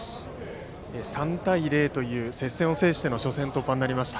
３対０と言う接戦を制しての初戦突破となりました。